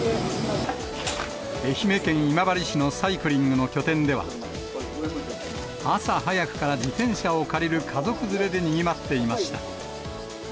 愛媛県今治市のサイクリングの拠点では、朝早くから自転車を借りる家族連れでにぎわっていました。